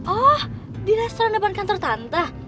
oh di restoran depan kantor tantah